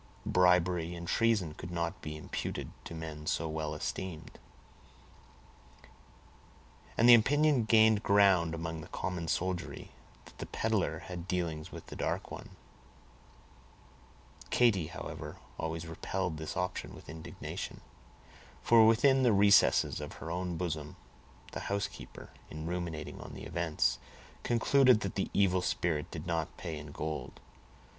Bribery and treason could not be imputed to men so well esteemed, and the opinion gained ground among the common soldiery, that the peddler had dealings with the dark one. Katy, however, always repelled this opinion with indignation; for within the recesses of her own bosom, the housekeeper, in ruminating on the events, concluded that the evil spirit did not pay in gold.